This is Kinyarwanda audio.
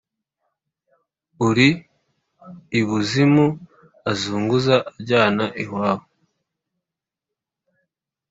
Uri ibuzimu azunguza ajyana iwabo.